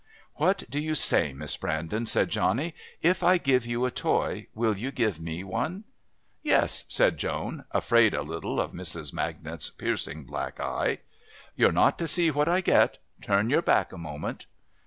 "What do you say, Miss Brandon?" said Johnny. "If I give you a toy will you give me one?" "Yes," said Joan, afraid a little of Mrs. Magnet's piercing black eye. "You're not to see what I get. Turn your back a moment."